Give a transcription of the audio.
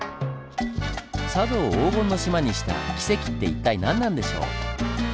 佐渡を「黄金の島」にした「キセキ」って一体何なんでしょう？